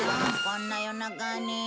こんな夜中に。